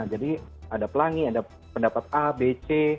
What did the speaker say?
jadi ada pelangi ada pendapat a b c